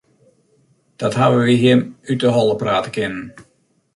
Dat hawwe wy him út 'e holle prate kinnen.